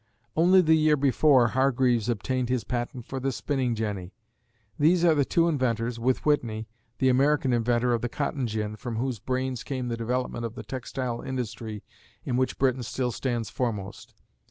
Only the year before Hargreaves obtained his patent for the spinning jenny. These are the two inventors, with Whitney, the American inventor of the cotton gin, from whose brains came the development of the textile industry in which Britain still stands foremost.